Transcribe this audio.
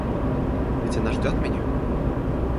Ведь она ждет меня?